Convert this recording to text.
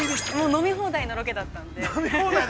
◆飲み放題のロケだったので。